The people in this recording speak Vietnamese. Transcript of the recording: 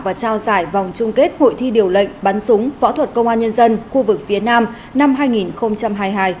và trao giải vòng chung kết hội thi điều lệnh bắn súng võ thuật công an nhân dân khu vực phía nam năm hai nghìn hai mươi hai